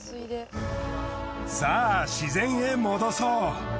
さぁ自然へ戻そう。